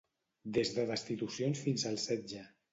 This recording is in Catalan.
Des de destitucions fins al setge.